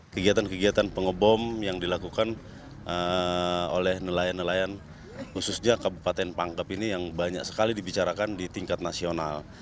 kegiatan kegiatan pengebom yang dilakukan oleh nelayan nelayan khususnya kabupaten pangkep ini yang banyak sekali dibicarakan di tingkat nasional